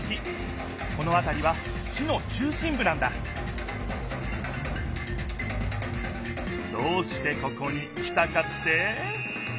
このあたりは市の中心ぶなんだどうしてここに来たかって？